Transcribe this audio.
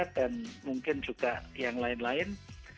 dan mungkin juga yang lain lain